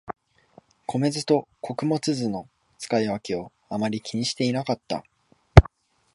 米酢と穀物酢の使い分けをあまり気にしてなかった